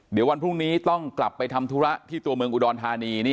เดี๋ยววันพรุ่งนี้ต้องกลับไปทำธุระที่ตัวเมืองอุดรธานี